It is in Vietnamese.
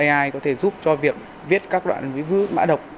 ai có thể giúp cho việc viết các đoạn ví dụ mã đọc